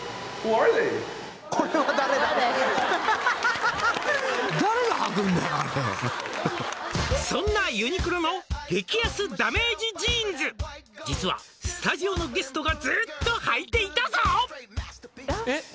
あれ「そんなユニクロの激安ダメージジーンズ」「実はスタジオのゲストがずっと履いていたぞ」